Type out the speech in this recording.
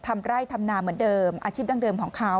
ทำไร่ทำนาเหมือนเดิมอาชีพดั้งเดิมของเขา